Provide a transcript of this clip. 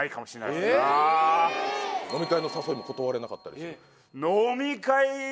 飲み会の誘いも断れなかったりする？